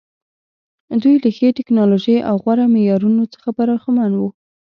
دوی له ښې ټکنالوژۍ او غوره معیارونو څخه برخمن وو.